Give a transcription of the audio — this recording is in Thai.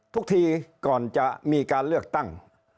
ทุกทีก่อนจะมีการเลือกตั้ง